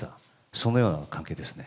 そのような関係ですね。